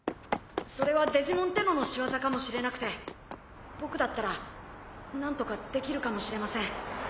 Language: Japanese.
「それはデジモンってのの仕業かもしれなくて僕だったら何とかできるかもしれません」